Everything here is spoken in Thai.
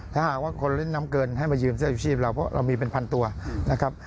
ถ้าหากว่าคนเล่นน้ำเกินให้มายืมเสื้อชูชีพเราเพราะเรามีเป็นพันตัวนะครับ